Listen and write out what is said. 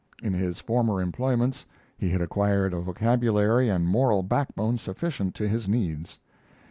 In his former employments he had acquired a vocabulary and moral backbone sufficient to his needs.